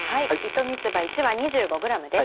糸三つ葉１わ２５ｇです。